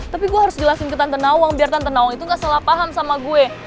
tapi gue harus jelasin ke tante nawang biar tante nawang itu gak salah paham sama gue